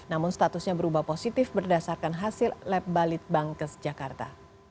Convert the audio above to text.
namun statusnya berubah positif berdasarkan hasil lab balit bangkes jakarta